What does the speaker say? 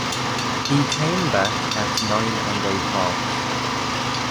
He came back at nine and a half.